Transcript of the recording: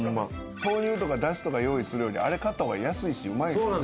「豆乳とかダシとか用意するよりあれ買った方が安いしうまいし」